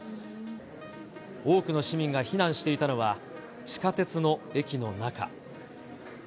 多くの市民が避難していたのは、地下鉄の駅の中。